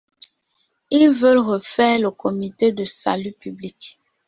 Ils veulent refaire le comité de salut public.